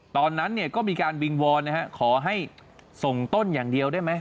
ตอนนั้นเนี่ยก็มีการวิงวอนนะฮะขอให้ส่งต้นอย่างเดียวได้ไหม